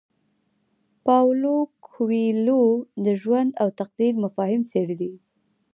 پاولو کویلیو د ژوند او تقدیر مفاهیم څیړلي دي.